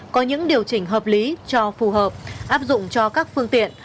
có những điều chỉnh hợp lý cho phù hợp áp dụng cho các phương tiện